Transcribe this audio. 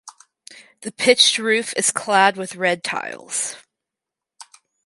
The pitched roof is clad with red tiles.